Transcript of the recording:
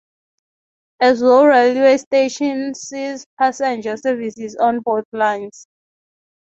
Ezhou railway station sees passenger services on both lines.